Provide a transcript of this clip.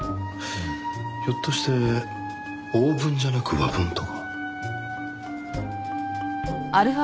ひょっとして欧文じゃなく和文とか？